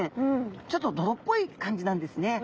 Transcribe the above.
ちょっと泥っぽい感じなんですね。